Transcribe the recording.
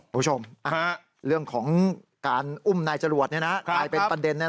ครูชมเรื่องของการอุ้มในจรวดนี้เปลี่ยนเป็นปัเด็น